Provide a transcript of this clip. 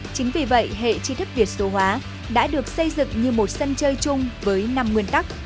chính vì vậy hệ chi thức việt số hóa đã được xây dựng như một sân chơi chung với năm nguyên tắc